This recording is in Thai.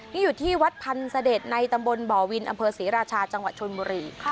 นี่อยู่ที่วัดพันธ์เสด็จในตำบลบ่อวินอำเภอศรีราชาจังหวัดชนบุรี